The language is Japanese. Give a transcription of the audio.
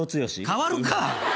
変わるか。